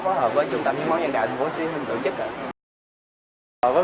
và biết đến hoạt động hiến máu nhân đạo nhiều hơn